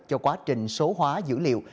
cho quá trình số hóa dữ liệu